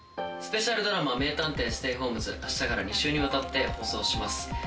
スペシャルドラマ『名探偵ステイホームズ』明日から２週にわたって放送します。